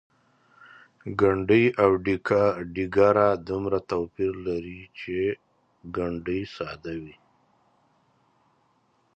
ګنډۍ او ډیګره دومره توپیر لري چې ګنډۍ ساده وي.